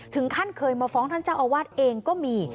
ถึงขั้นเคยมาฟ้องท่านเจ้าอาวาสเองก็มี